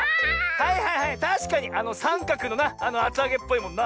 はいはいはいたしかにあのさんかくのなあつあげっぽいもんな。